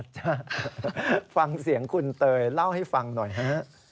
จ้ะฟังเสียงคุณเตยเล่าให้ฟังหน่อยฮะ